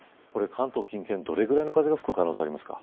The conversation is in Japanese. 関東近県、どれぐらいの風が吹く可能性がありますか。